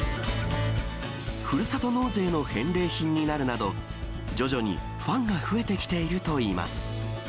ふるさと納税の返礼品になるなど、徐々にファンが増えてきているといいます。